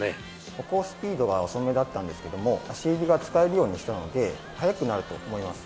歩行スピードが遅めだったんですけども足指が使えるようにしたので速くなると思います。